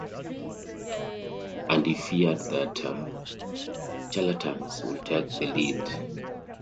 And he feared that charlatans would take the lead.